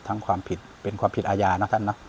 ความผิดเป็นความผิดอาญานะท่านนะ